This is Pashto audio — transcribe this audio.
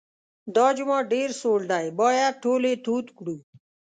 دا جومات ډېر سوړ دی باید ټول یې تود کړو.